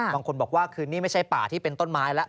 บางคนบอกว่าคือนี่ไม่ใช่ป่าที่เป็นต้นไม้แล้ว